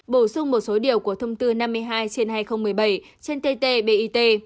bổ sung một số điều của thông tư năm mươi hai trên hai nghìn một mươi bảy trên ttbit